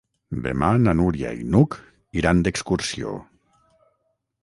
Demà na Núria i n'Hug iran d'excursió.